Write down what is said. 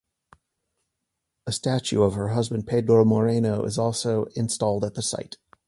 A statue of her husband Pedro Moreno is also installed at the site.